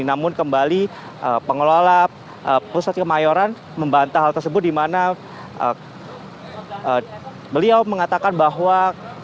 namun kembali pengelola pusat kemayoran membantah hal tersebut di mana beliau mengatakan bahwa